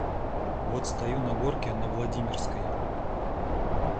Вот стою на горке на Владимирской.